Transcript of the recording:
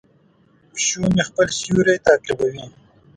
پیشو مې خپل سیوری تعقیبوي.